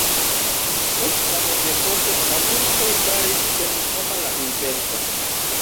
Post la mezepoko la turkoj faris senhoma la urbeton.